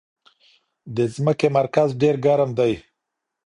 د ځمکې مرکز ډېر ګرم دی.